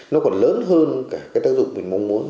nó còn lớn hơn cả cái tác dụng mình mong muốn